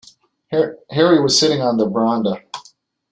Harry was sitting on the verandah.